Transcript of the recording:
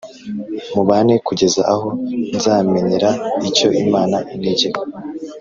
mubane kugeza aho nzamenyera icyo Imana integeka.